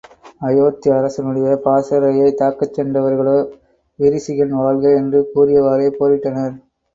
அயோத்தி அரசனுடைய பாசறையைத் தாக்கச் சென்றிருந்தவர்களோ, விரிசிகன் வாழ்க! என்று கூறியவாறே போரிட்டனர்.